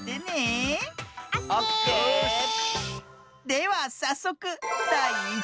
ではさっそくだい１もん。